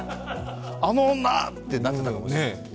あの女！ってなってたかもしれない。